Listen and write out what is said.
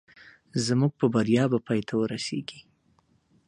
زموږ په بریا به پای ته ورسېږي